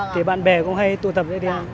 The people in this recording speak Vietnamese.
thì bạn bè cũng hay tụ tập ra đây